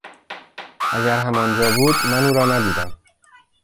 اگر هم آنجا بود من او را ندیدم.